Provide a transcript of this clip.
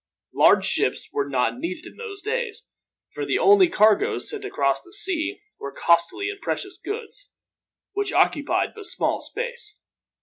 Large ships were not needed in those days, for the only cargoes sent across the sea were costly and precious goods, which occupied but small space.